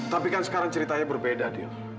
tapi kan sekarang ceritanya berbeda dia